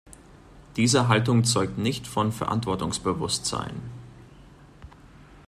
Diese Haltung zeugt nicht von Verantwortungsbewusstsein.